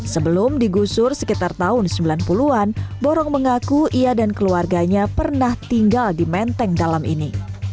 sebelum digusur sekitar tahun sembilan puluh an borong mengaku ia dan keluarganya pernah tinggal di menteng dalam ini